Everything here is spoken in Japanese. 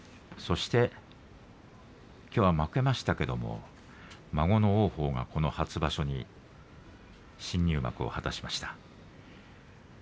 そしてきょうは負けましたけれど孫の王鵬がこの初場所に新入幕を果たしました。